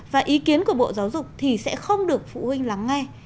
và ý kiến của bộ giáo dục thì sẽ không được phụ huynh lắng nghe